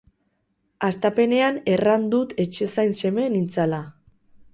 Hastapenean erran dut etxezain seme nintzala.